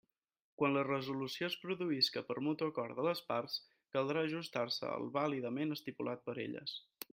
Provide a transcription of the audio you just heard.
Quan la resolució es produïsca per mutu acord de les parts, caldrà ajustar-se al vàlidament estipulat per elles.